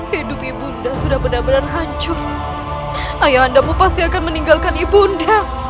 hidup ibunda sudah benar benar hancur ayah andamu pasti akan meninggalkan ibunda